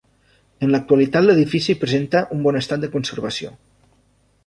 En l'actualitat l'edifici presenta un bon estat de conservació.